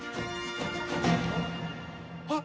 あっ。